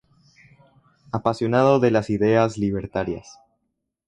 Apasionado de las ideas Libertarias.